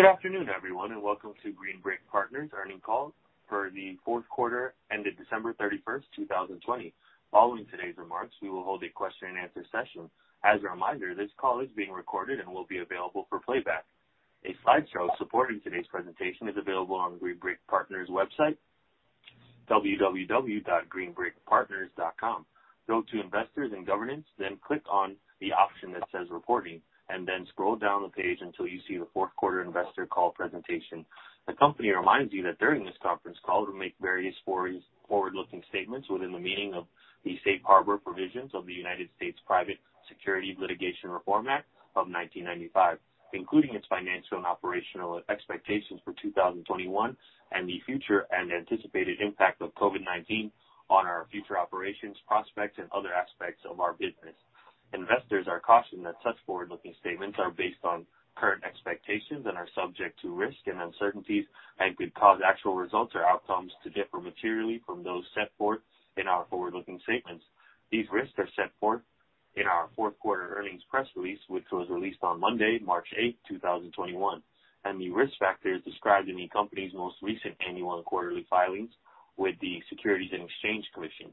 Good afternoon, everyone, and welcome to Green Brick Partners Earning Call for the fourth quarter ended December 31st, 2020. Following today's remarks, we will hold a question-and-answer session. As a reminder, this call is being recorded and will be available for playback. A slideshow supporting today's presentation is available on the Green Brick Partners' website, www.greenbrickpartners.com. Go to Investors and Governance, then click on the option that says reporting, and then scroll down the page until you see the fourth quarter investor call presentation. The company reminds you that during this conference call, we'll make various forward-looking statements within the meaning of the safe harbor provisions of the United States Private Securities Litigation Reform Act of 1995, including its financial and operational expectations for 2021 and the future and anticipated impact of COVID-19 on our future operations, prospects, and other aspects of our business. Investors are cautioned that such forward-looking statements are based on current expectations and are subject to risk and uncertainties and could cause actual results or outcomes to differ materially from those set forth in our forward-looking statements. These risks are set forth in our fourth quarter earnings press release, which was released on Monday, March 8th, 2021, and the risk factors described in the company's most recent annual and quarterly filings with the Securities and Exchange Commission.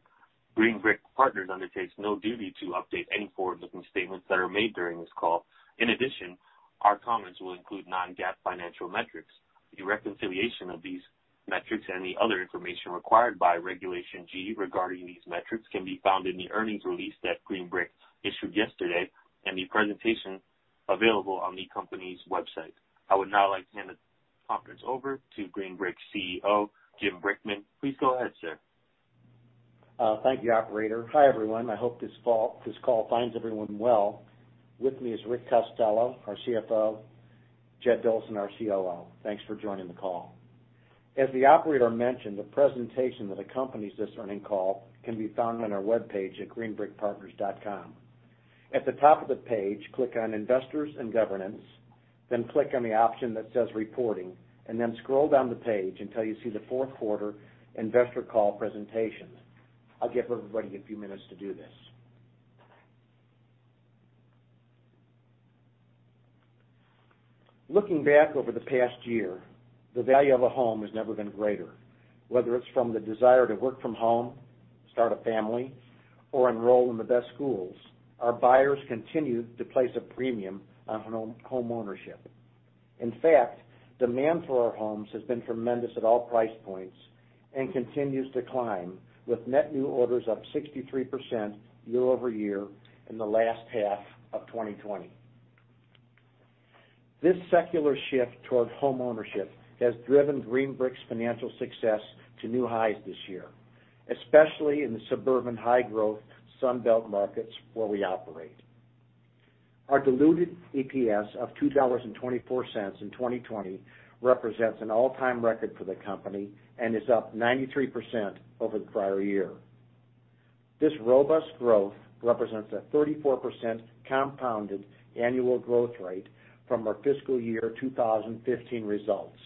Green Brick Partners undertakes no duty to update any forward-looking statements that are made during this call. In addition, our comments will include non-GAAP financial metrics. The reconciliation of these metrics and the other information required by Regulation G regarding these metrics can be found in the earnings release that Green Brick issued yesterday and the presentation available on the company's website. I would now like to hand the conference over to Green Brick's CEO, Jim Brickman. Please go ahead, sir. Thank you, Operator. Hi, everyone. I hope this call finds everyone well. With me is Rick Costello, our CFO, Jed Dolson, our COO. Thanks for joining the call. As the operator mentioned, the presentation that accompanies this earning call can be found on our web page at greenbrickpartners.com. At the top of the page, click on Investors and Governance, then click on the option that says Reporting, and then scroll down the page until you see the fourth quarter investor call presentation. I'll give everybody a few minutes to do this. Looking back over the past year, the value of a home has never been greater. Whether it's from the desire to work from home, start a family, or enroll in the best schools, our buyers continue to place a premium on homeownership. In fact, demand for our homes has been tremendous at all price points and continues to climb with net new orders up 63% year-over-year in the last half of 2020. This secular shift toward homeownership has driven Green Brick's financial success to new highs this year, especially in the suburban high-growth Sunbelt markets where we operate. Our diluted EPS of $2.24 in 2020 represents an all-time record for the company and is up 93% over the prior year. This robust growth represents a 34% compounded annual growth rate from our fiscal year 2015 results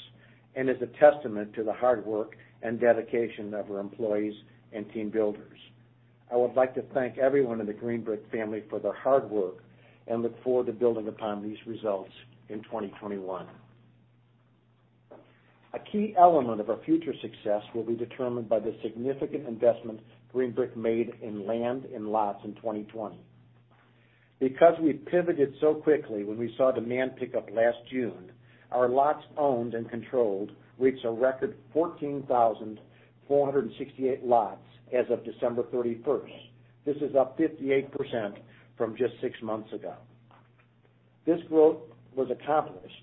and is a testament to the hard work and dedication of our employees and team builders. I would like to thank everyone in the Green Brick family for their hard work and look forward to building upon these results in 2021. A key element of our future success will be determined by the significant investment Green Brick made in land and lots in 2020. Because we pivoted so quickly when we saw demand pick up last June, our lots owned and controlled reached a record 14,468 lots as of December 31st. This is up 58% from just six months ago. This growth was accomplished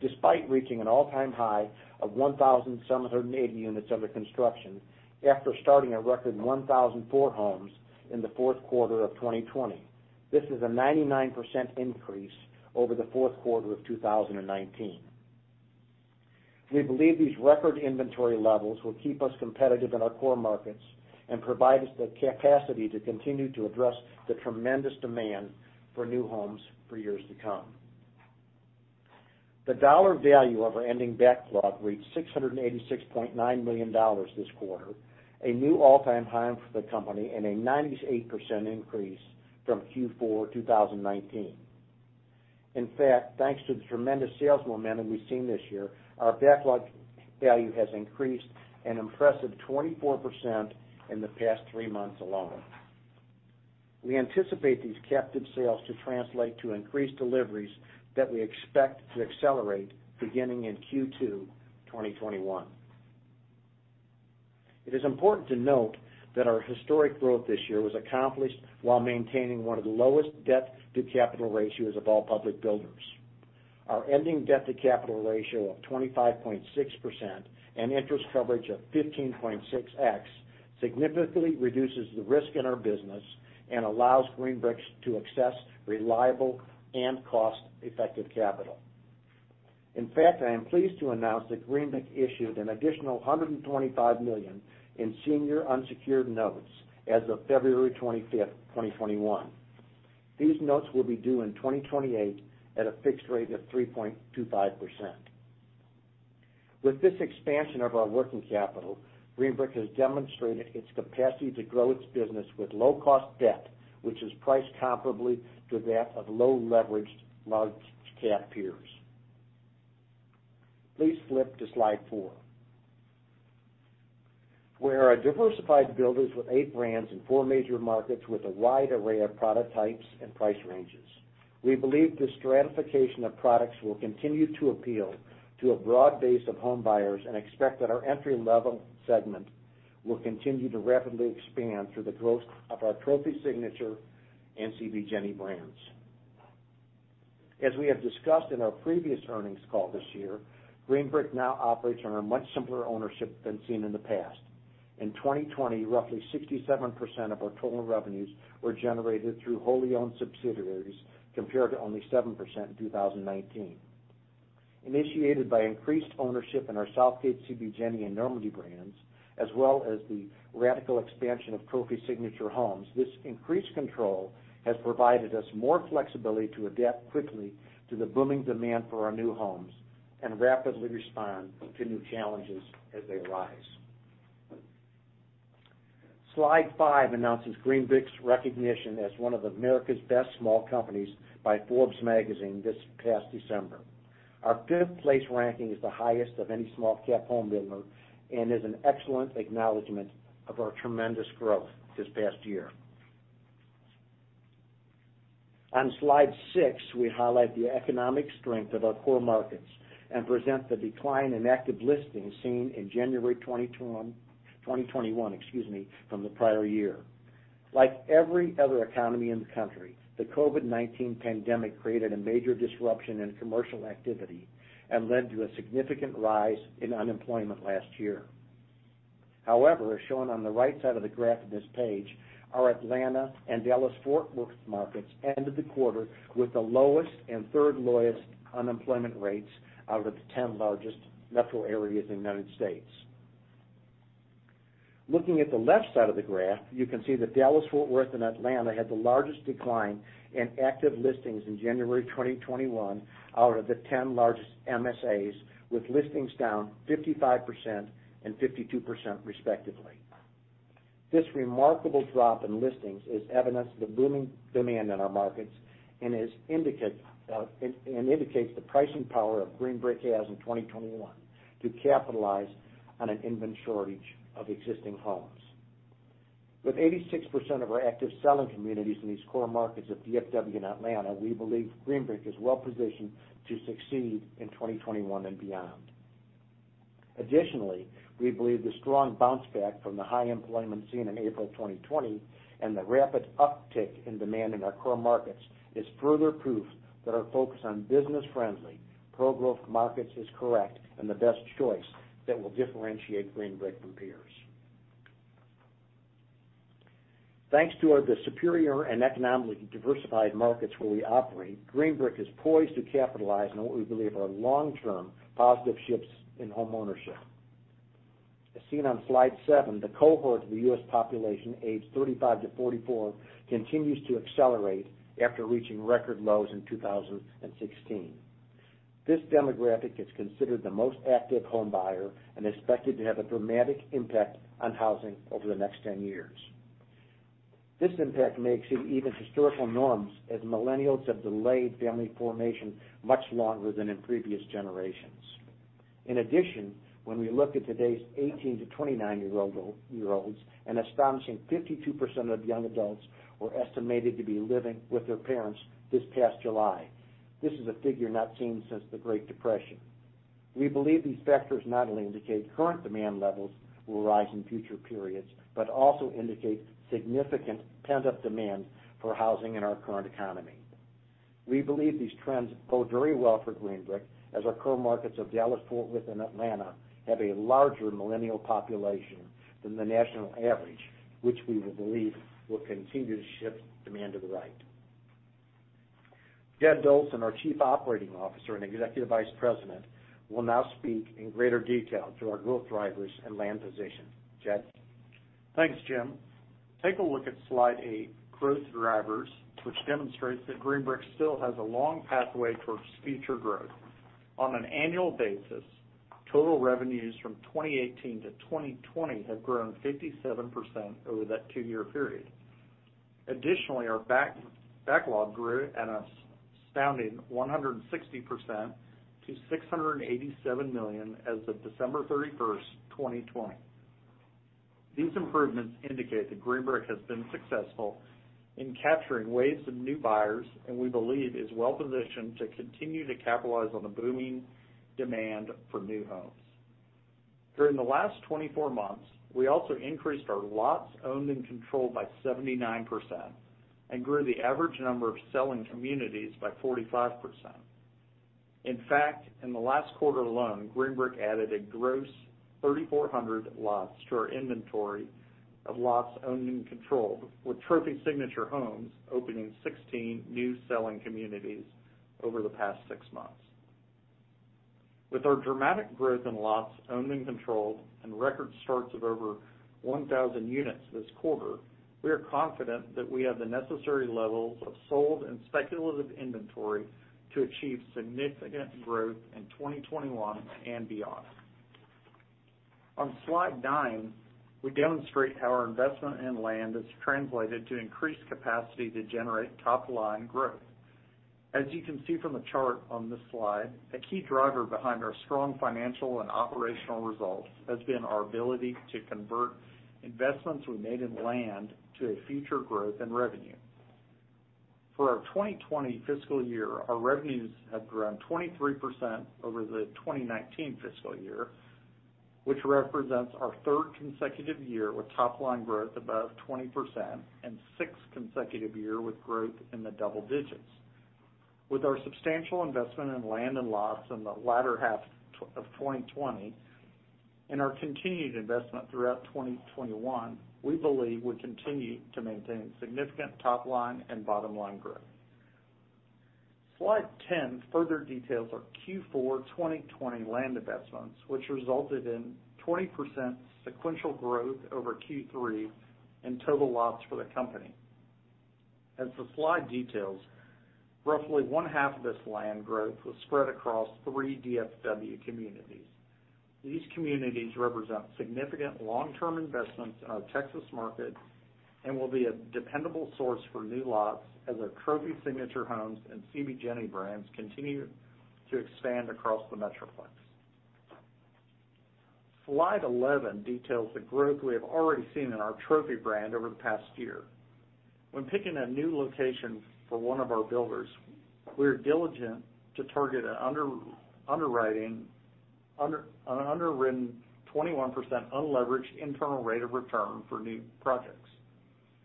despite reaching an all-time high of 1,780 units under construction after starting a record 1,004 homes in the fourth quarter of 2020. This is a 99% increase over the fourth quarter of 2019. We believe these record inventory levels will keep us competitive in our core markets and provide us the capacity to continue to address the tremendous demand for new homes for years to come. The dollar value of our ending backlog reached $686.9 million this quarter, a new all-time high for the company, and a 98% increase from Q4 2019. In fact, thanks to the tremendous sales momentum we've seen this year, our backlog value has increased an impressive 24% in the past three months alone. We anticipate these captive sales to translate to increased deliveries that we expect to accelerate beginning in Q2 2021. It is important to note that our historic growth this year was accomplished while maintaining one of the lowest debt-to-capital ratios of all public builders. Our ending debt-to-capital ratio of 25.6% and interest coverage of 15.6X significantly reduces the risk in our business and allows Green Brick to access reliable and cost-effective capital. In fact, I am pleased to announce that Green Brick issued an additional $125 million in senior unsecured notes as of February 25th, 2021. These notes will be due in 2028 at a fixed rate of 3.25%. With this expansion of our working capital, Green Brick has demonstrated its capacity to grow its business with low-cost debt, which is priced comparably to that of low-leveraged large-cap peers. Please flip to slide four, where our diversified builders with eight brands in four major markets with a wide array of product types and price ranges. We believe this stratification of products will continue to appeal to a broad base of home buyers and expect that our entry-level segment will continue to rapidly expand through the growth of our Trophy Signature and CB JENI brands. As we have discussed in our previous earnings call this year, Green Brick now operates on a much simpler ownership than seen in the past. In 2020, roughly 67% of our total revenues were generated through wholly-owned subsidiaries compared to only 7% in 2019. Initiated by increased ownership in our Southgate CB JENI and Normandy brands, as well as the radical expansion of Trophy Signature Homes, this increased control has provided us more flexibility to adapt quickly to the booming demand for our new homes and rapidly respond to new challenges as they arise. Slide five announces Green Brick's recognition as one of America's best small companies by Forbes magazine this past December. Our fifth place ranking is the highest of any small-cap home builder and is an excellent acknowledgment of our tremendous growth this past year. On slide six, we highlight the economic strength of our core markets and present the decline in active listings seen in January 2021 from the prior year. Like every other economy in the country, the COVID-19 pandemic created a major disruption in commercial activity and led to a significant rise in unemployment last year. However, as shown on the right side of the graph in this page, our Atlanta and Dallas-Fort Worth markets ended the quarter with the lowest and third-lowest unemployment rates out of the 10 largest metro areas in the United States. Looking at the left side of the graph, you can see that Dallas-Fort Worth and Atlanta had the largest decline in active listings in January 2021 out of the 10 largest MSAs, with listings down 55% and 52% respectively. This remarkable drop in listings is evidence of the booming demand in our markets and indicates the pricing power of Green Brick as in 2021 to capitalize on an inventory of existing homes. With 86% of our active selling communities in these core markets of DFW and Atlanta, we believe Green Brick is well positioned to succeed in 2021 and beyond. Additionally, we believe the strong bounce back from the high employment seen in April 2020 and the rapid uptick in demand in our core markets is further proof that our focus on business-friendly, pro-growth markets is correct and the best choice that will differentiate Green Brick from peers. Thanks to the superior and economically diversified markets where we operate, Green Brick is poised to capitalize on what we believe are long-term positive shifts in homeownership. As seen on slide seven, the cohort of the U.S. population aged 35 to 44 continues to accelerate after reaching record lows in 2016. This demographic is considered the most active home buyer and expected to have a dramatic impact on housing over the next 10 years. This impact may exceed even historical norms as millennials have delayed family formation much longer than in previous generations. In addition, when we look at today's 18 to 29-year-olds, an astonishing 52% of young adults were estimated to be living with their parents this past July. This is a figure not seen since the Great Depression. We believe these factors not only indicate current demand levels will rise in future periods but also indicate significant pent-up demand for housing in our current economy. We believe these trends bode very well for Green Brick as our core markets of Dallas-Fort Worth and Atlanta have a larger millennial population than the national average, which we believe will continue to shift demand to the right. Jed Dolson, our Chief Operating Officer and Executive Vice President, will now speak in greater detail to our growth drivers and land position. Jed? Thanks, Jim. Take a look at slide eight, Growth Drivers, which demonstrates that Green Brick still has a long pathway towards future growth. On an annual basis, total revenues from 2018 to 2020 have grown 57% over that two-year period. Additionally, our backlog grew an astounding 160% to 687 million as of December 31st, 2020. These improvements indicate that Green Brick has been successful in capturing waves of new buyers and we believe is well positioned to continue to capitalize on the booming demand for new homes. During the last 24 months, we also increased our lots owned and controlled by 79% and grew the average number of selling communities by 45%. In fact, in the last quarter alone, Green Brick added a gross 3,400 lots to our inventory of lots owned and controlled, with Trophy Signature Homes opening 16 new selling communities over the past six months. With our dramatic growth in lots owned and controlled and record starts of over 1,000 units this quarter, we are confident that we have the necessary levels of sold and speculative inventory to achieve significant growth in 2021 and beyond. On slide nine, we demonstrate how our investment in land has translated to increased capacity to generate top-line growth. As you can see from the chart on this slide, a key driver behind our strong financial and operational results has been our ability to convert investments we made in land to a future growth in revenue. For our 2020 fiscal year, our revenues have grown 23% over the 2019 fiscal year, which represents our third consecutive year with top-line growth above 20% and sixth consecutive year with growth in the double digits. With our substantial investment in land and lots in the latter half of 2020 and our continued investment throughout 2021, we believe we continue to maintain significant top-line and bottom-line growth. Slide 10 further details our Q4 2020 land investments, which resulted in 20% sequential growth over Q3 in total lots for the company. As the slide details, roughly one-half of this land growth was spread across three DFW communities. These communities represent significant long-term investments in our Texas market and will be a dependable source for new lots as our Trophy Signature Homes and CB JENI brands continue to expand across the Metroplex. Slide 11 details the growth we have already seen in our Trophy brand over the past year. When picking a new location for one of our builders, we are diligent to target an underwritten 21% unleveraged internal rate of return for new projects.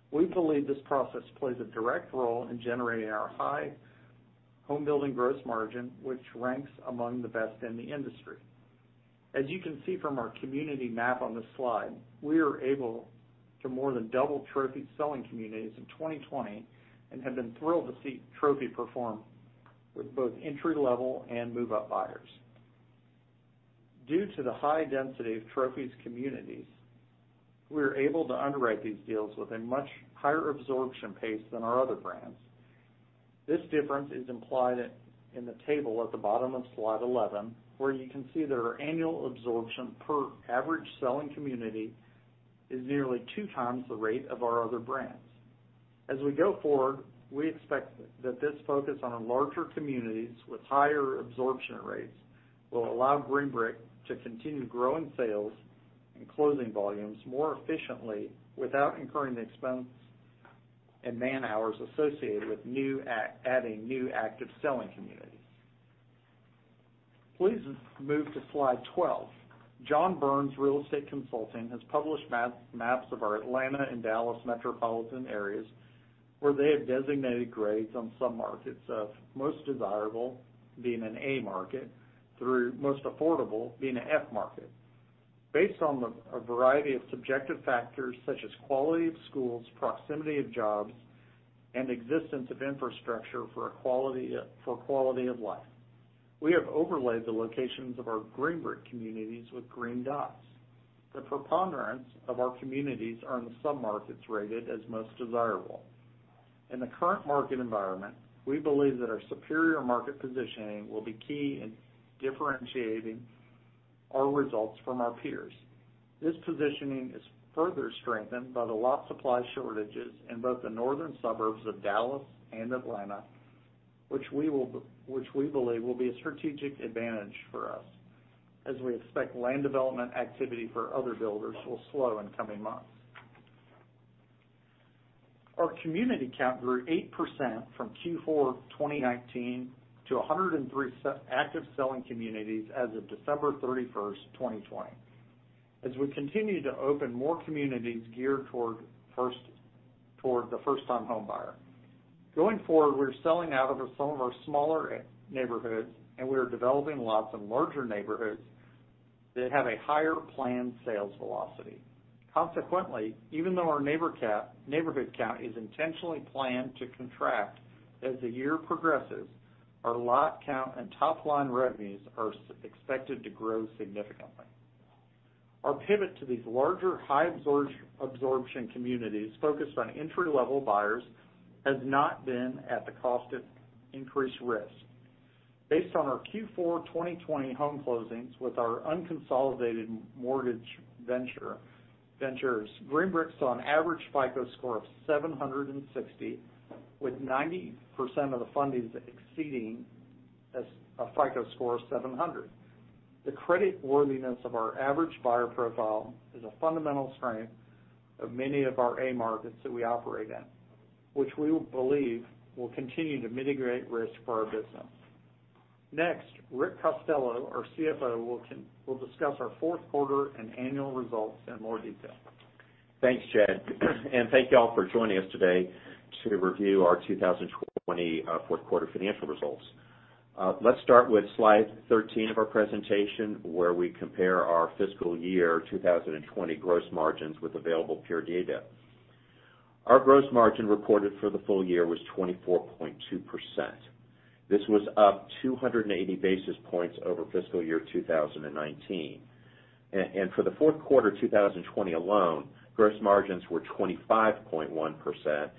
We believe this process plays a direct role in generating our high home building gross margin, which ranks among the best in the industry. As you can see from our community map on this slide, we are able to more than double Trophy selling communities in 2020 and have been thrilled to see Trophy perform with both entry-level and move-up buyers. Due to the high density of trophies communities, we are able to underwrite these deals with a much higher absorption pace than our other brands. This difference is implied in the table at the bottom of slide 11, where you can see that our annual absorption per average selling community is nearly two times the rate of our other brands. As we go forward, we expect that this focus on our larger communities with higher absorption rates will allow Green Brick to continue growing sales and closing volumes more efficiently without incurring the expense and man hours associated with adding new active selling communities. Please move to slide 12. John Burns Real Estate Consulting has published maps of our Atlanta and Dallas metropolitan areas where they have designated grades on some markets, most desirable being an A market through most affordable being an F market. Based on a variety of subjective factors such as quality of schools, proximity of jobs, and existence of infrastructure for quality of life, we have overlaid the locations of our Green Brick communities with green dots. The preponderance of our communities are in the sub-markets rated as most desirable. In the current market environment, we believe that our superior market positioning will be key in differentiating our results from our peers. This positioning is further strengthened by the lot supply shortages in both the northern suburbs of Dallas and Atlanta, which we believe will be a strategic advantage for us as we expect land development activity for other builders will slow in coming months. Our community count grew 8% from Q4 2019 to 103 active selling communities as of December 31st, 2020, as we continue to open more communities geared toward the first-time home buyer. Going forward, we're selling out of some of our smaller neighborhoods, and we are developing lots in larger neighborhoods that have a higher planned sales velocity. Consequently, even though our neighborhood count is intentionally planned to contract as the year progresses, our lot count and top-line revenues are expected to grow significantly. Our pivot to these larger high absorption communities focused on entry-level buyers has not been at the cost of increased risk. Based on our Q4 2020 home closings with our unconsolidated mortgage ventures, Green Brick saw an average FICO score of 760, with 90% of the funding exceeding a FICO score of 700. The creditworthiness of our average buyer profile is a fundamental strength of many of our A markets that we operate in, which we believe will continue to mitigate risk for our business. Next, Rick Costello, our CFO, will discuss our fourth quarter and annual results in more detail. Thanks, Jed. And thank you all for joining us today to review our 2020 fourth quarter financial results. Let's start with slide 13 of our presentation, where we compare our fiscal year 2020 gross margins with available peer data. Our gross margin reported for the full year was 24.2%. This was up 280 basis points over fiscal year 2019. And for the fourth quarter 2020 alone, gross margins were 25.1%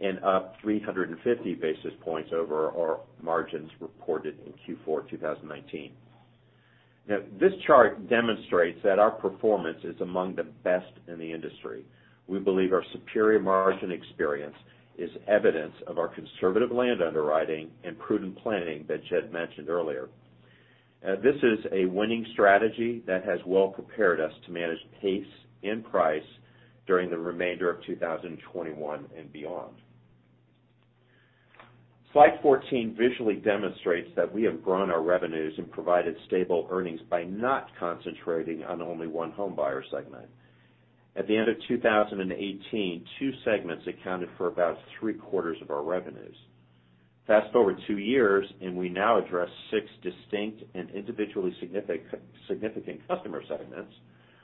and up 350 basis points over our margins reported in Q4 2019. Now, this chart demonstrates that our performance is among the best in the industry. We believe our superior margin experience is evidence of our conservative land underwriting and prudent planning that Jed mentioned earlier. This is a winning strategy that has well prepared us to manage pace and price during the remainder of 2021 and beyond. Slide 14 visually demonstrates that we have grown our revenues and provided stable earnings by not concentrating on only one home buyer segment. At the end of 2018, two segments accounted for about three quarters of our revenues. Fast forward two years, and we now address six distinct and individually significant customer segments,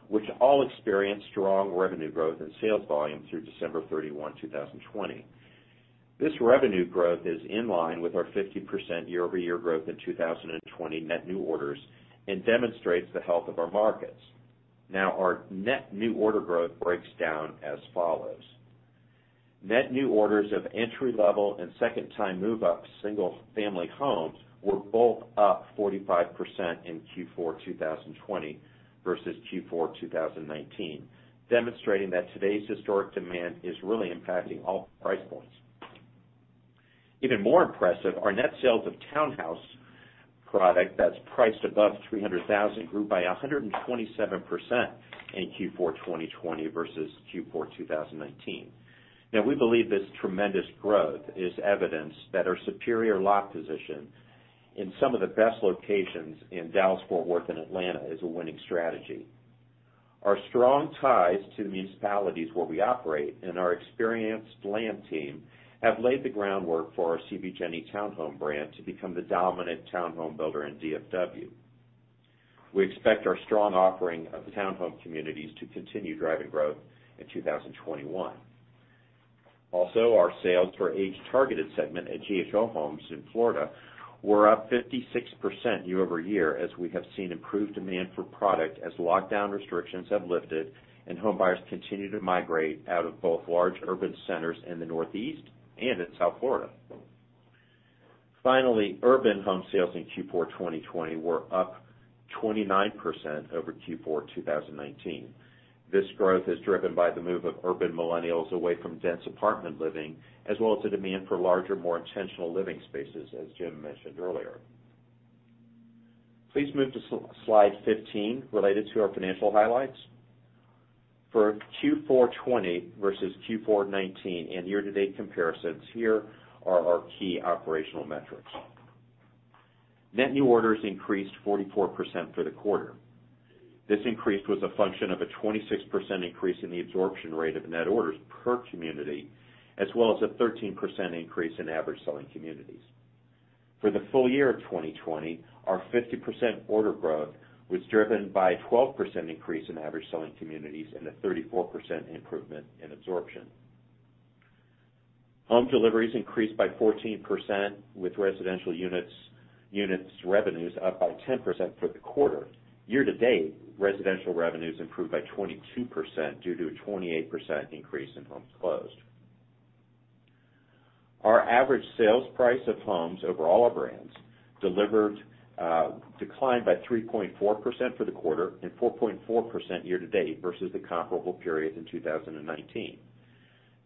which all experienced strong revenue growth in sales volume through December 31, 2020. This revenue growth is in line with our 50% year-over-year growth in 2020 net new orders and demonstrates the health of our markets. Now, our net new order growth breaks down as follows. Net new orders of entry-level and second-time move-up single-family homes were both up 45% in Q4 2020 versus Q4 2019, demonstrating that today's historic demand is really impacting all price points. Even more impressive, our net sales of townhouse product that's priced above 300,000 grew by 127% in Q4 2020 versus Q4 2019. Now, we believe this tremendous growth is evidence that our superior lot position in some of the best locations in Dallas-Fort Worth and Atlanta is a winning strategy. Our strong ties to the municipalities where we operate and our experienced land team have laid the groundwork for our CB JENI Townhome brand to become the dominant townhome builder in DFW. We expect our strong offering of townhome communities to continue driving growth in 2021. Also, our sales for age-targeted segment at GHO Homes in Florida were up 56% year-over-year as we have seen improved demand for product as lockdown restrictions have lifted and home buyers continue to migrate out of both large urban centers in the Northeast and in South Florida. Finally, urban home sales in Q4 2020 were up 29% over Q4 2019. This growth is driven by the move of urban millennials away from dense apartment living, as well as the demand for larger, more intentional living spaces, as Jim mentioned earlier. Please move to slide 15 related to our financial highlights. For Q4 20 versus Q4 19 and year-to-date comparisons, here are our key operational metrics. Net new orders increased 44% for the quarter. This increase was a function of a 26% increase in the absorption rate of net orders per community, as well as a 13% increase in average selling communities. For the full year of 2020, our 50% order growth was driven by a 12% increase in average selling communities and a 34% improvement in absorption. Home deliveries increased by 14%, with residential units' revenues up by 10% for the quarter. Year-to-date, residential revenues improved by 22% due to a 28% increase in homes closed. Our average sales price of homes over all our brands declined by 3.4% for the quarter and 4.4% year-to-date versus the comparable period in 2019.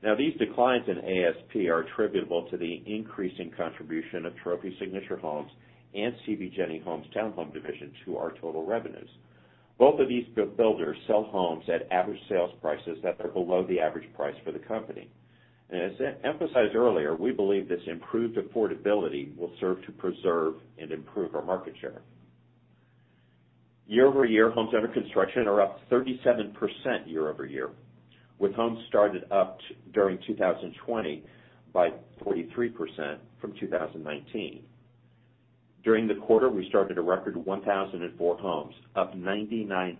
Now, these declines in ASP are attributable to the increasing contribution of Trophy Signature Homes and CB JENI Homes Townhome division to our total revenues. Both of these builders sell homes at average sales prices that are below the average price for the company. As emphasized earlier, we believe this improved affordability will serve to preserve and improve our market share. Year-over-year, homes under construction are up 37% year-over-year, with homes started up during 2020 by 43% from 2019. During the quarter, we started a record 1,004 homes, up 99%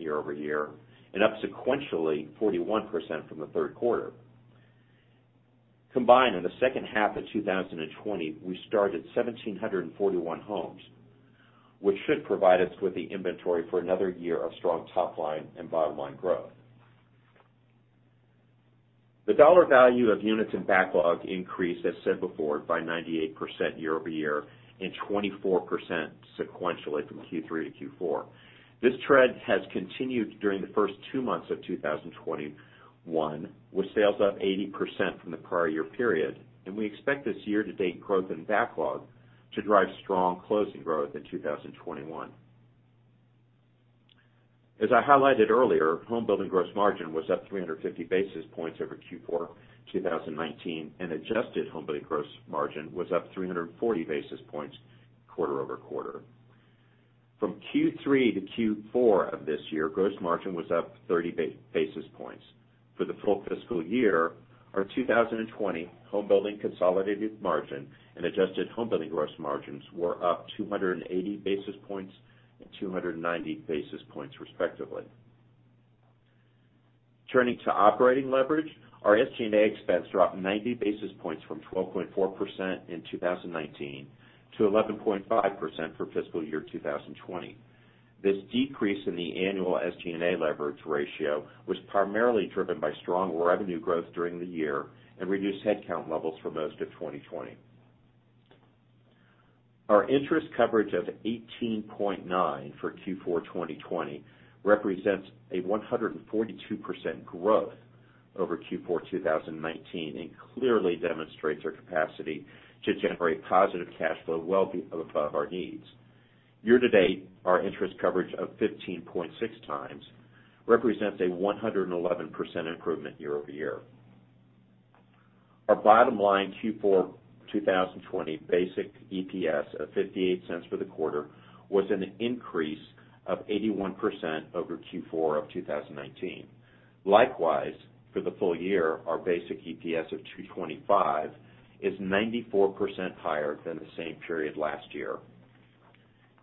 year-over-year, and up sequentially 41% from the third quarter. Combined, in the second half of 2020, we started 1,741 homes, which should provide us with the inventory for another year of strong top-line and bottom-line growth. The dollar value of units in backlog increased, as said before, by 98% year-over-year and 24% sequentially from Q3 to Q4. This trend has continued during the first two months of 2021, with sales up 80% from the prior year period. And we expect this year-to-date growth in backlog to drive strong closing growth in 2021. As I highlighted earlier, home building gross margin was up 350 basis points over Q4 2019, and adjusted home building gross margin was up 340 basis points quarter over quarter. From Q3 to Q4 of this year, gross margin was up 30 basis points. For the full fiscal year, our 2020 home building consolidated margin and adjusted home building gross margins were up 280 basis points and 290 basis points respectively. Turning to operating leverage, our SG&A expense dropped 90 basis points from 12.4% in 2019 to 11.5% for fiscal year 2020. This decrease in the annual SG&A leverage ratio was primarily driven by strong revenue growth during the year and reduced headcount levels for most of 2020. Our interest coverage of 18.9 for Q4 2020 represents a 142% growth over Q4 2019 and clearly demonstrates our capacity to generate positive cash flow well above our needs. Year-to-date, our interest coverage of 15.6 times represents a 111% improvement year-over-year. Our bottom line Q4 2020 basic EPS of 58 cents for the quarter was an increase of 81% over Q4 of 2019. Likewise, for the full year, our basic EPS of 2.25 is 94% higher than the same period last year.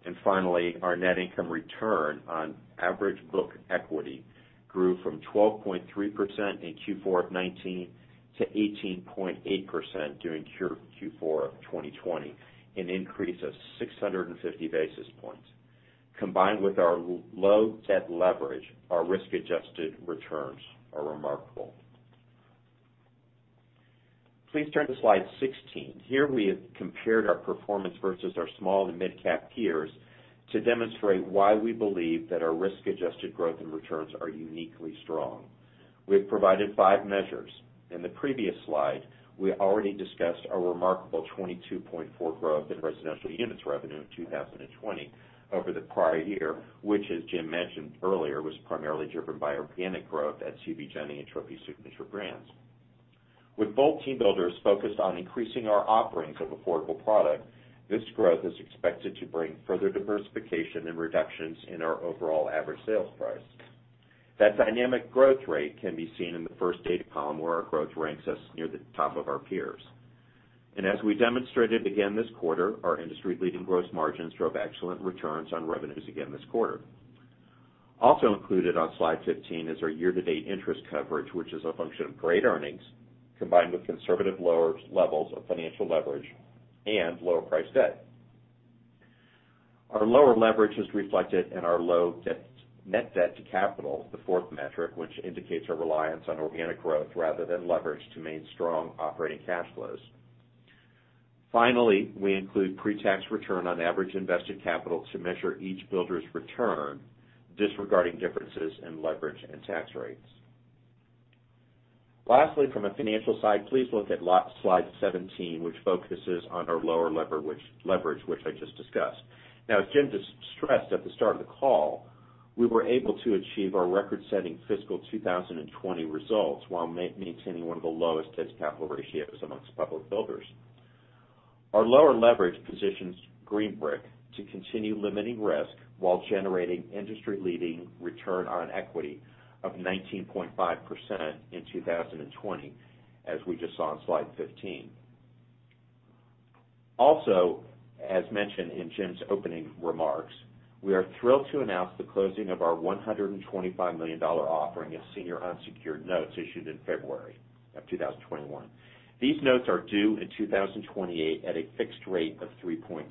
And finally, our net income return on average book equity grew from 12.3% in Q4 19 to 18.8% during Q4 of 2020, an increase of 650 basis points. Combined with our low debt leverage, our risk-adjusted returns are remarkable. Please turn to slide 16. Here we have compared our performance versus our small and mid-cap peers to demonstrate why we believe that our risk-adjusted growth and returns are uniquely strong. We have provided five measures. In the previous slide, we already discussed our remarkable 22.4% growth in residential units revenue in 2020 over the prior year, which, as Jim mentioned earlier, was primarily driven by organic growth at CB JENI and Trophy Signature Brands. With both team builders focused on increasing our offerings of affordable product, this growth is expected to bring further diversification and reductions in our overall average sales price. That dynamic growth rate can be seen in the first data column, where our growth ranks us near the top of our peers. And as we demonstrated again this quarter, our industry-leading gross margins drove excellent returns on revenues again this quarter. Also included on slide 15 is our year-to-date interest coverage, which is a function of great earnings combined with conservative lower levels of financial leverage and lower price debt. Our lower leverage is reflected in our low net debt to capital, the fourth metric, which indicates our reliance on organic growth rather than leverage to maintain strong operating cash flows. Finally, we include pre-tax return on average invested capital to measure each builder's return, disregarding differences in leverage and tax rates. Lastly, from a financial side, please look at slide 17, which focuses on our lower leverage, which I just discussed. Now, as Jim just stressed at the start of the call, we were able to achieve our record-setting fiscal 2020 results while maintaining one of the lowest debt-to-capital ratios amongst public builders. Our lower leverage positions Green Brick to continue limiting risk while generating industry-leading return on equity of 19.5% in 2020, as we just saw on slide 15. Also, as mentioned in Jim's opening remarks, we are thrilled to announce the closing of our $125 million offering of senior unsecured notes issued in February of 2021. These notes are due in 2028 at a fixed rate of 3.25%.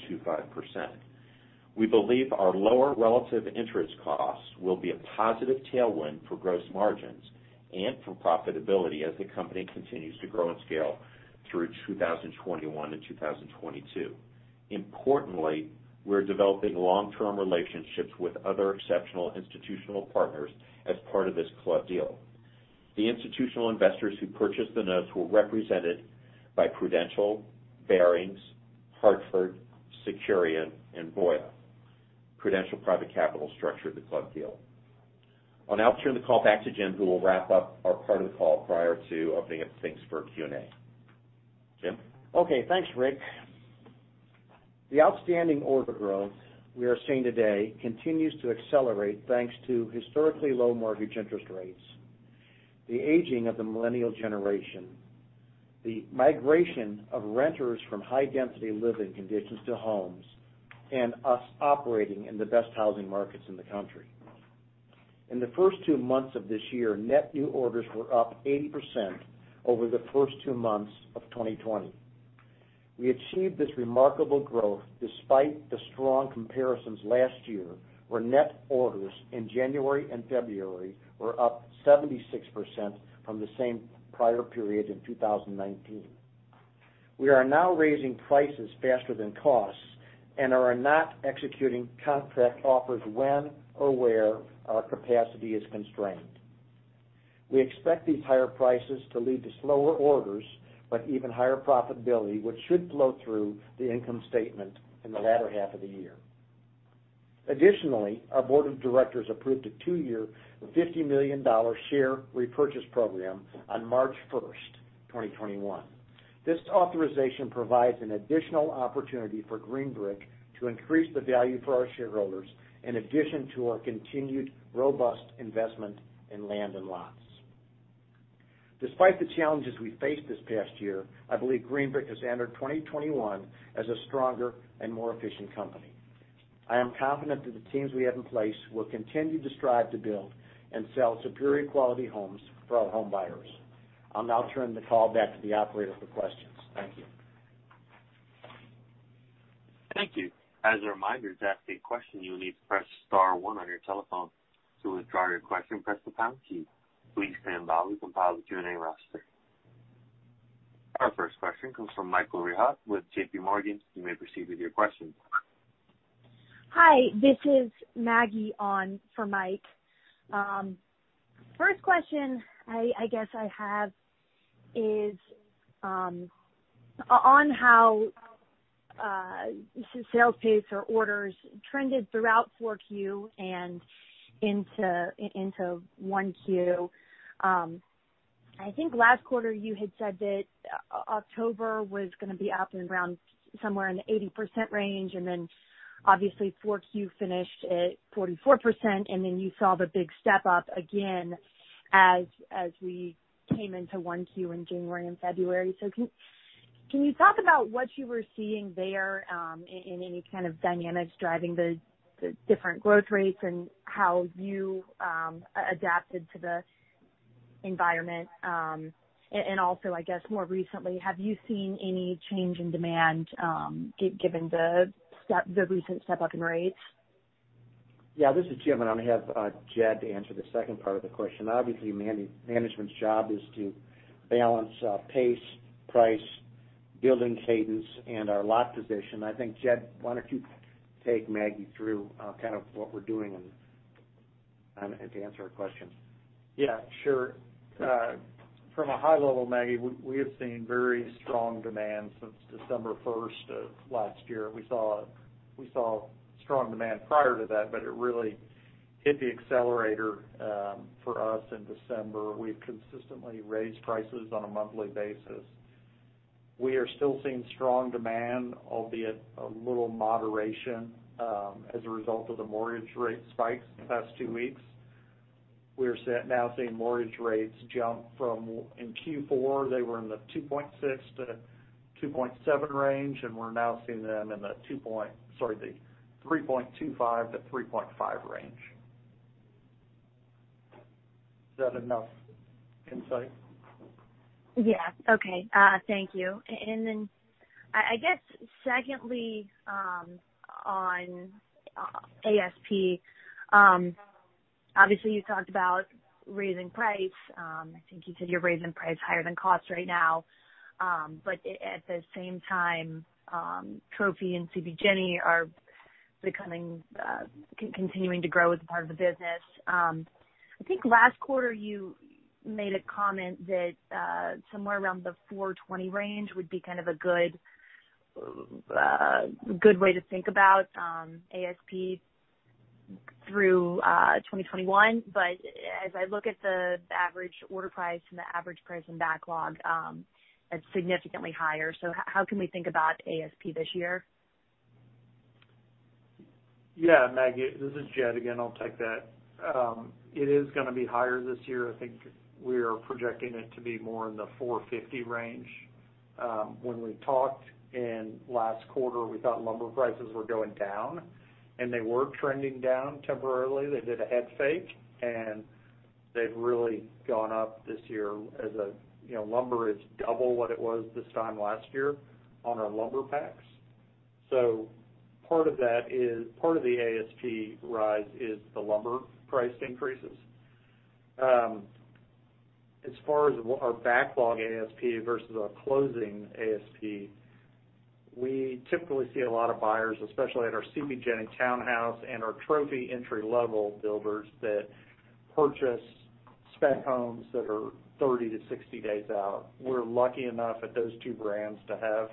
We believe our lower relative interest costs will be a positive tailwind for gross margins and for profitability as the company continues to grow and scale through 2021 and 2022. Importantly, we're developing long-term relationships with other exceptional institutional partners as part of this club deal. The institutional investors who purchased the notes were represented by Prudential, Barings, Hartford, Securian, and Boya. Prudential Private Capital structured the club deal. I'll now turn the call back to Jim, who will wrap up our part of the call prior to opening up things for Q&A. Jim? Okay. Thanks, Rick. The outstanding order growth we are seeing today continues to accelerate thanks to historically low mortgage interest rates, the aging of the millennial generation, the migration of renters from high-density living conditions to homes, and us operating in the best housing markets in the country. In the first two months of this year, net new orders were up 80% over the first two months of 2020. We achieved this remarkable growth despite the strong comparisons last year, where net orders in January and February were up 76% from the same prior period in 2019. We are now raising prices faster than costs and are not executing contract offers when or where our capacity is constrained. We expect these higher prices to lead to slower orders but even higher profitability, which should flow through the income statement in the latter half of the year. Additionally, our board of directors approved a two-year $50 million share repurchase program on March 1st, 2021. This authorization provides an additional opportunity for Green Brick to increase the value for our shareholders in addition to our continued robust investment in land and lots. Despite the challenges we faced this past year, I believe Green Brick has entered 2021 as a stronger and more efficient company. I am confident that the teams we have in place will continue to strive to build and sell superior quality homes for our home buyers. I'll now turn the call back to the operator for questions. Thank you. Thank you. As a reminder, to ask a question, you will need to press star one on your telephone. To withdraw your question, press the pound key. Please stand by while we compile the Q&A roster. Our first question comes from Michael Rehaut with JPMorgan. You may proceed with your question. Hi. This is Maggie on for Mike. First question I guess I have is on how sales pace or orders trended throughout four Q and into one Q. I think last quarter you had said that October was going to be up and around somewhere in the 80% range, and then obviously four Q finished at 44%, and then you saw the big step up again as we came into one Q in January and February. So can you talk about what you were seeing there in any kind of dynamics driving the different growth rates and how you adapted to the environment? And also, I guess more recently, have you seen any change in demand given the recent step up in rates? Yeah. This is Jim. And I'm going to have Jed to answer the second part of the question. Obviously, management's job is to balance pace, price, building cadence, and our lot position. I think, Jed, why don't you take Maggie through kind of what we're doing and to answer her question? Yeah. Sure. From a high level, Maggie, we have seen very strong demand since December 1st of last year. We saw strong demand prior to that, but it really hit the accelerator for us in December. We've consistently raised prices on a monthly basis. We are still seeing strong demand, albeit a little moderation as a result of the mortgage rate spikes in the past two weeks. We are now seeing mortgage rates jump from in Q4, they were in the 2.6-2.7 range, and we're now seeing them in the 2 point sorry, the 3.25-3.5 range. Is that enough insight? Yeah. Okay. Thank you. And then I guess secondly on ASP, obviously you talked about raising price. I think you said you're raising price higher than cost right now. But at the same time, Trophy and CB JENI are continuing to grow as part of the business. I think last quarter you made a comment that somewhere around the 420 range would be kind of a good way to think about ASP through 2021. But as I look at the average order price and the average price in backlog, it's significantly higher. So how can we think about ASP this year? Yeah. Maggie, this is Jed again. I'll take that. It is going to be higher this year. I think we are projecting it to be more in the 450 range. When we talked in last quarter, we thought lumber prices were going down, and they were trending down temporarily. They did a head fake, and they've really gone up this year. Lumber is double what it was this time last year on our lumber packs. So part of that is part of the ASP rise is the lumber price increases. As far as our backlog ASP versus our closing ASP, we typically see a lot of buyers, especially at our CB JENI townhouse and our Trophy entry-level builders that purchase spec homes that are 30 to 60 days out. We're lucky enough at those two brands to have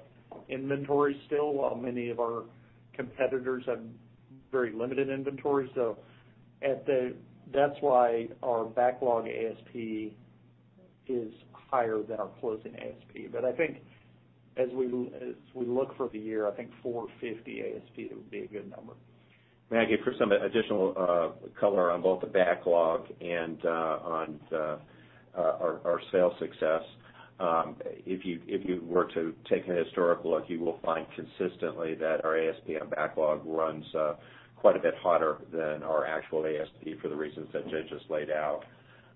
inventory still, while many of our competitors have very limited inventory. So that's why our backlog ASP is higher than our closing ASP. But I think as we look for the year, I think 450 ASP would be a good number. Maggie, for some additional color on both the backlog and on our sales success, if you were to take a historical look, you will find consistently that our ASP on backlog runs quite a bit hotter than our actual ASP for the reasons that Jed just laid out.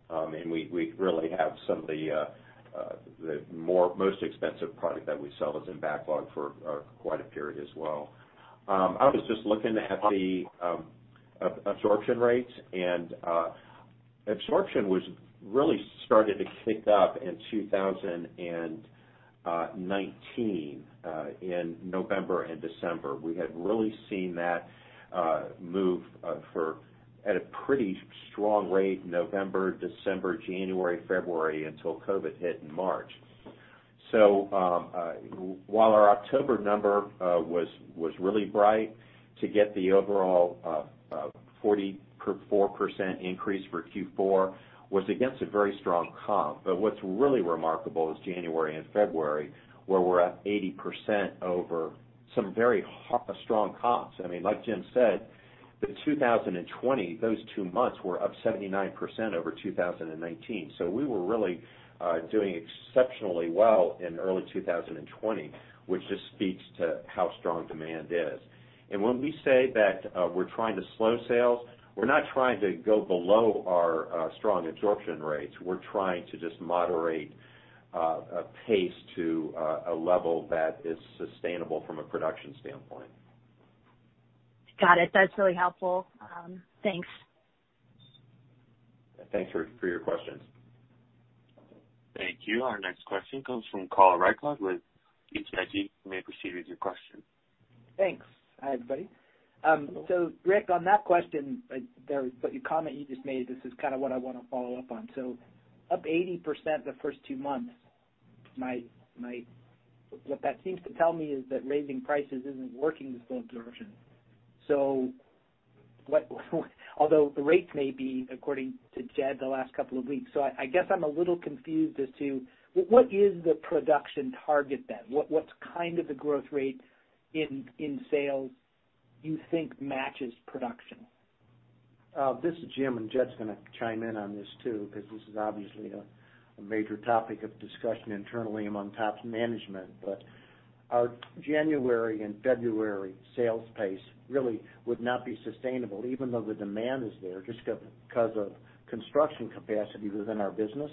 And we really have some of the most expensive product that we sell is in backlog for quite a period as well. I was just looking at the absorption rates, and absorption was really started to kick up in 2019 in November and December. We had really seen that move at a pretty strong rate November, December, January, February until COVID hit in March. So while our October number was really bright to get the overall 44% increase for Q4 was against a very strong comp. But what's really remarkable is January and February, where we're up 80% over some very strong comps. I mean, like Jim said, the 2020, those two months were up 79% over 2019. So we were really doing exceptionally well in early 2020, which just speaks to how strong demand is. And when we say that we're trying to slow sales, we're not trying to go below our strong absorption rates. We're trying to just moderate pace to a level that is sustainable from a production standpoint. Got it. That's really helpful. Thanks. Thanks for your questions. Thank you. Our next question comes from Carl Reichardt with BTIG. You may proceed with your question. Thanks. Hi, everybody. So Rick, on that question, the comment you just made, this is kind of what I want to follow up on. So up 80% the first two months, what that seems to tell me is that raising prices isn't working to slow absorption. Although the rates may be, according to Jed, the last couple of weeks. So I guess I'm a little confused as to what is the production target then? What's kind of the growth rate in sales you think matches production? This is Jim. And Jed's going to chime in on this too because this is obviously a major topic of discussion internally among top management. But our January and February sales pace really would not be sustainable, even though the demand is there, just because of construction capacity within our business.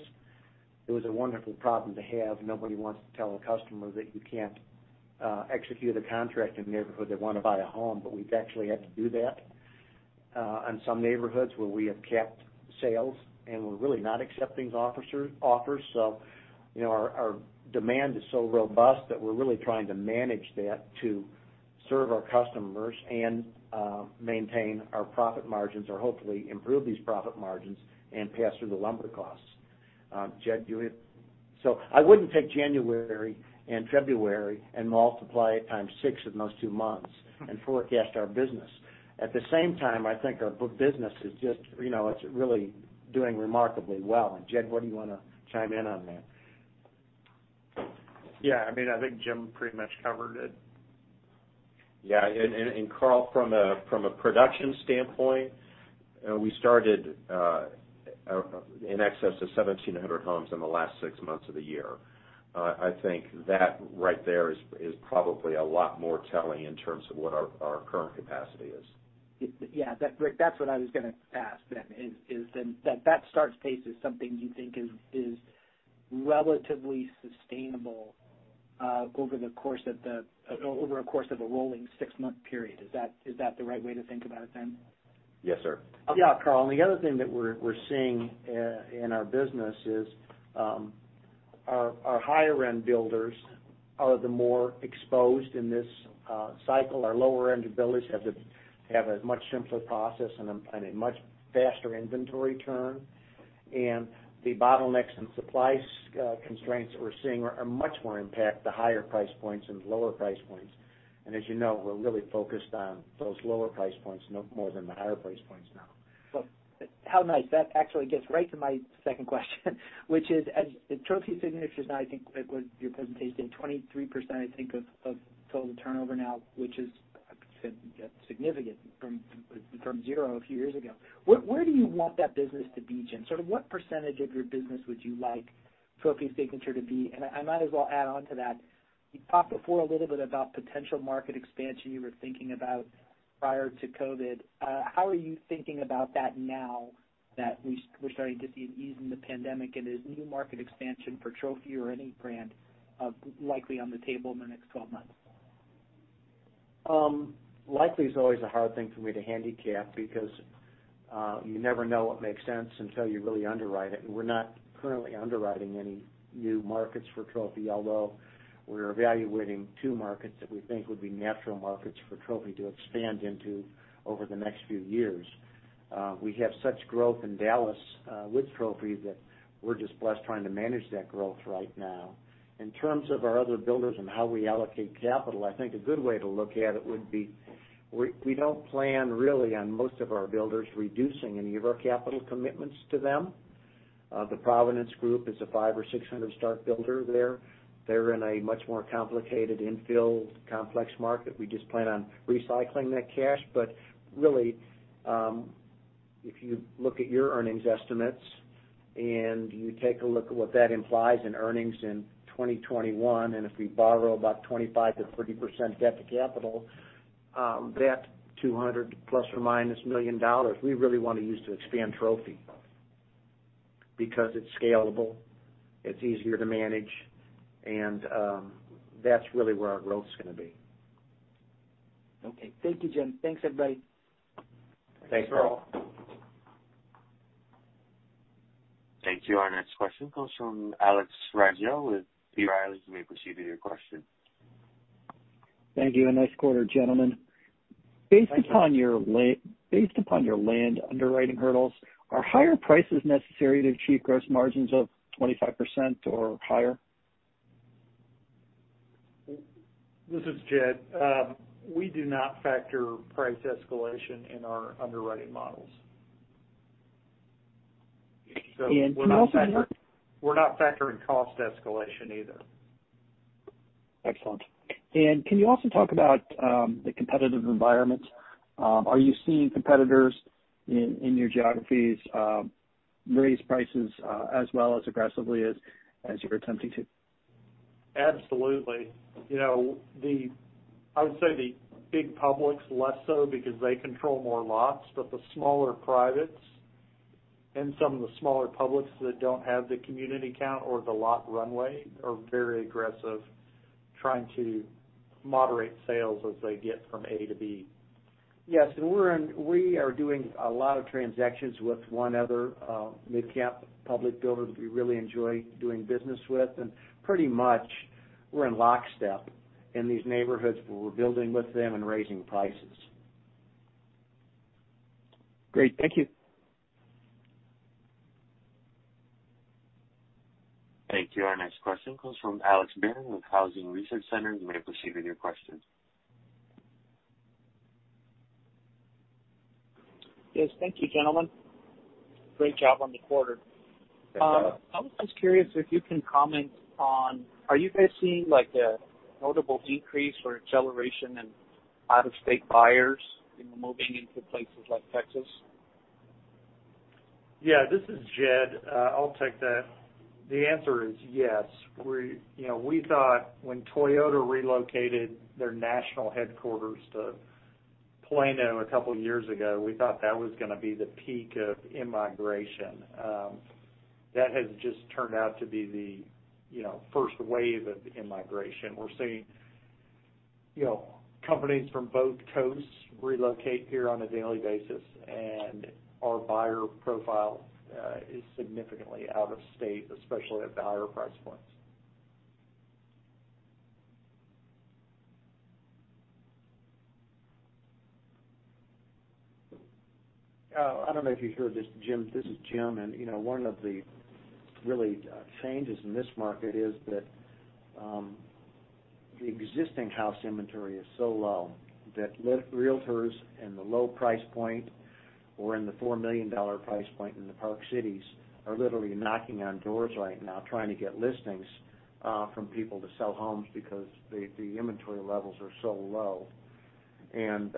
It was a wonderful problem to have. Nobody wants to tell a customer that you can't execute a contract in a neighborhood that wants to buy a home, but we've actually had to do that on some neighborhoods where we have kept sales, and we're really not accepting the offers. So our demand is so robust that we're really trying to manage that to serve our customers and maintain our profit margins or hopefully improve these profit margins and pass through the lumber costs. Jed, do it. So I wouldn't take January and February and multiply it times six in those two months and forecast our business. At the same time, I think our business is just really doing remarkably well. And Jed, what do you want to chime in on that? Yeah. I mean, I think Jim pretty much covered it. Yeah. And Carl, from a production standpoint, we started in excess of 1,700 homes in the last six months of the year. I think that right there is probably a lot more telling in terms of what our current capacity is. Yeah. Rick, that's what I was going to ask then, is that that start pace is something you think is relatively sustainable over the course of a rolling six-month period. Is that the right way to think about it then? Yes, sir. Yeah, Carl. And the other thing that we're seeing in our business is our higher-end builders are the more exposed in this cycle. Our lower-end builders have a much simpler process and a much faster inventory turn. And the bottlenecks and supply constraints that we're seeing are much more impact the higher price points and the lower price points. And as you know, we're really focused on those lower price points more than the higher price points now. Well, how nice. That actually gets right to my second question, which is Trophy signatures now, I think, was your presentation in 23%, I think, of total turnover now, which is significant from zero a few years ago. Where do you want that business to be, Jim? Sort of what percentage of your business would you like Trophy signature to be? And I might as well add on to that. You talked before a little bit about potential market expansion you were thinking about prior to COVID. How are you thinking about that now that we're starting to see an ease in the pandemic and there's new market expansion for Trophy or any brand likely on the table in the next 12 months? Likely is always a hard thing for me to handicap because you never know what makes sense until you really underwrite it. And we're not currently underwriting any new markets for Trophy, although we're evaluating two markets that we think would be natural markets for Trophy to expand into over the next few years. We have such growth in Dallas with Trophy that we're just blessed trying to manage that growth right now. In terms of our other builders and how we allocate capital, I think a good way to look at it would be we don't plan really on most of our builders reducing any of our capital commitments to them. The Providence Group is a 500 or 600 start builder there. They're in a much more complicated infill complex market. We just plan on recycling that cash. But really, if you look at your earnings estimates and you take a look at what that implies in earnings in 2021, and if we borrow about 25 to 30 percent debt to capital, that 200 plus or minus million dollars, we really want to use to expand Trophy because it's scalable, it's easier to manage, and that's really where our growth's going to be. Okay. Thank you, Jim. Thanks, everybody. Thanks, Carl. Thank you. Our next question comes from Alex Rygiel with B. Riley. You may proceed with your question. Thank you. And nice quarter, gentlemen. Based upon your land underwriting hurdles, are higher prices necessary to achieve gross margins of 25% or higher? This is Jed. We do not factor price escalation in our underwriting models. And can you also? We're not factoring cost escalation either. Excellent. And can you also talk about the competitive environment? Are you seeing competitors in your geographies raise prices as well as aggressively as you're attempting to? Absolutely. I would say the big publics less so because they control more lots, but the smaller privates and some of the smaller publics that don't have the community count or the lot runway are very aggressive trying to moderate sales as they get from A to B. Yes. And we are doing a lot of transactions with one other mid-camp public builder that we really enjoy doing business with. And pretty much we're in lockstep in these neighborhoods where we're building with them and raising prices. Great. Thank you. Thank you. Our next question comes from Alex Barron with Housing Research Center. You may proceed with your question. Yes. Thank you, gentlemen. Great job on the quarter. I was just curious if you can comment on are you guys seeing a notable increase or acceleration in out-of-state buyers moving into places like Texas? Yeah. This is Jed. I'll take that. The answer is yes. We thought when Toyota relocated their national headquarters to Plano a couple of years ago, we thought that was going to be the peak of immigration. That has just turned out to be the first wave of immigration. We're seeing companies from both coasts relocate here on a daily basis, and our buyer profile is significantly out of state, especially at the higher price points. I don't know if you heard this, Jim. This is Jim. And one of the really changes in this market is that the existing house inventory is so low that realtors in the low price point or in the $4 million price point in the Park Cities are literally knocking on doors right now trying to get listings from people to sell homes because the inventory levels are so low. And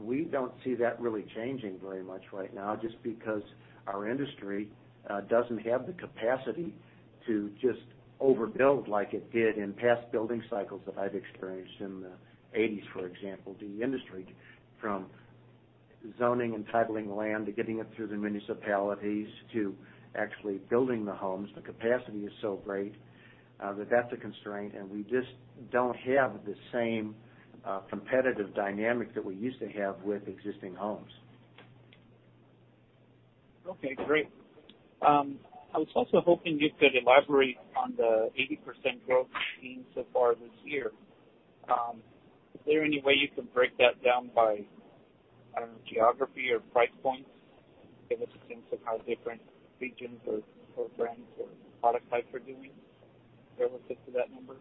we don't see that really changing very much right now just because our industry doesn't have the capacity to just overbuild like it did in past building cycles that I've experienced in the '80s, for example. The industry, from zoning and titling land to getting it through the municipalities to actually building the homes, the capacity is so great that that's a constraint. And we just don't have the same competitive dynamic that we used to have with existing homes. Okay. Great. I was also hoping you could elaborate on the 80% growth seen so far this year. Is there any way you can break that down by geography or price points? Give us a sense of how different regions or brands or product types are doing relative to that number.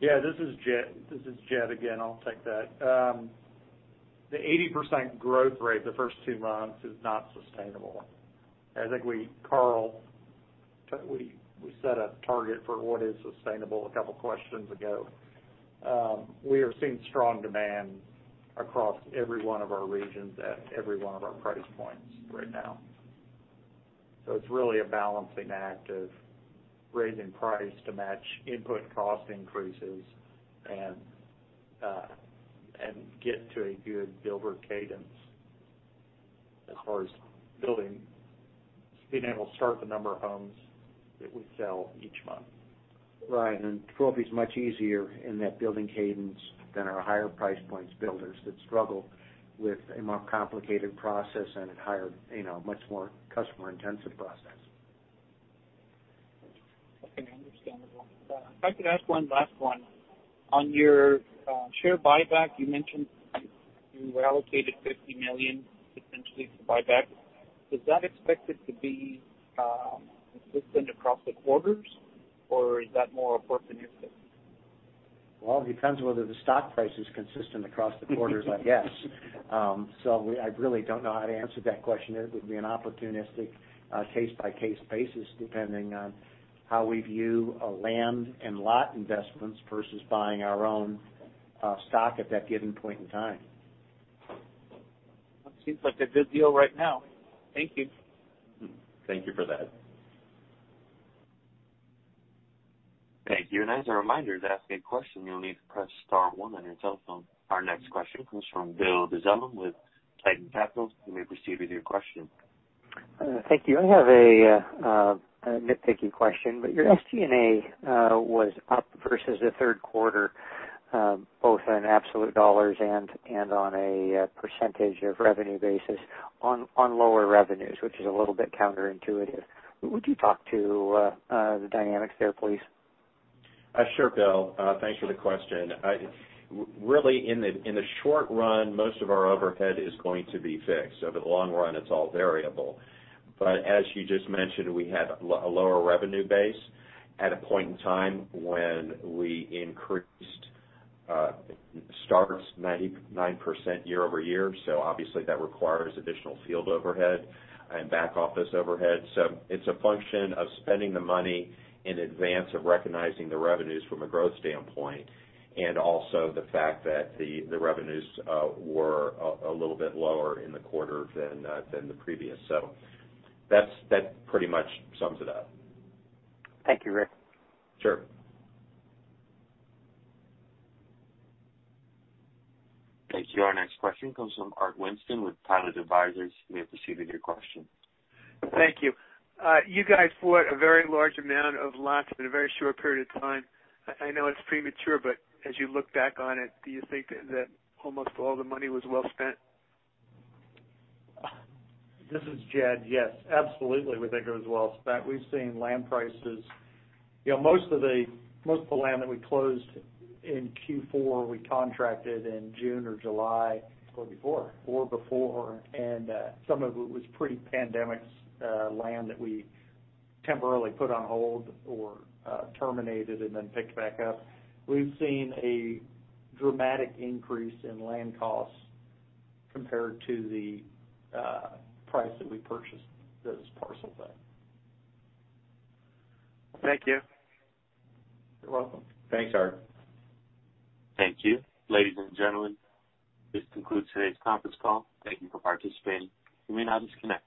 Yeah. This is Jed. This is Jed again. I'll take that. The 80% growth rate the first two months is not sustainable. I think we, Carl, we set a target for what is sustainable a couple of questions ago. We are seeing strong demand across every one of our regions at every one of our price points right now. So it's really a balancing act of raising price to match input cost increases and get to a good builder cadence as far as being able to start the number of homes that we sell each month. Right. And Trophy is much easier in that building cadence than our higher price points builders that struggle with a more complicated process and a much more customer-intensive process. Okay. Understandable. If I could ask one last one. On your share buyback, you mentioned you allocated 50 million potentially to buyback. Is that expected to be consistent across the quarters, or is that more opportunistic? Well, it depends whether the stock price is consistent across the quarters, I guess. So I really don't know how to answer that question. It would be an opportunistic case-by-case basis depending on how we view land and lot investments versus buying our own stock at that given point in time. That seems like a good deal right now. Thank you. Thank you for that. Thank you. As a reminder, to ask a question, you'll need to press star one on your telephone. Our next question comes from Bill Dezellem with Tieton Capital. You may proceed with your question. Thank you. I have a nitpicky question, but your SG&A was up versus the third quarter, both on absolute dollars and on a % of revenue basis on lower revenues, which is a little bit counterintuitive. Would you talk to the dynamics there, please? Sure, Bill. Thanks for the question. Really, in the short run, most of our overhead is going to be fixed. Over the long run, it's all variable. But as you just mentioned, we had a lower revenue base at a point in time when we increased starts 99% year-over-year. Obviously, that requires additional field overhead and back office overhead. It's a function of spending the money in advance of recognizing the revenues from a growth standpoint and also the fact that the revenues were a little bit lower in the quarter than the previous. That pretty much sums it up. Thank you, Rick. Sure. Thank you. Our next question comes from Art Winston with Pilot Advisors. You may proceed with your question. Thank you. You guys bought a very large amount of lots in a very short period of time. I know it's premature, but as you look back on it, do you think that almost all the money was well spent? This is Jed. Yes. Absolutely, we think it was well spent. We've seen land prices. Most of the land that we closed in Q4, we contracted in June or July. Or before. Or before. And some of it was pre-pandemic land that we temporarily put on hold or terminated and then picked back up. We've seen a dramatic increase in land costs compared to the price that we purchased those parcels at. Thank you. You're welcome. Thanks, Art. Thank you. Ladies and gentlemen, this concludes today's conference call. Thank you for participating. You may now disconnect.